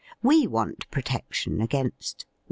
We want protection against: 1.